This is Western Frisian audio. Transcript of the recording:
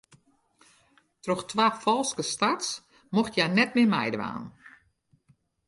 Troch twa falske starts mocht hja net mear meidwaan.